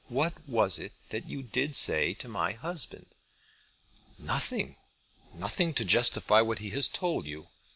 What was it that you did say to my husband?" "Nothing to justify what he has told you."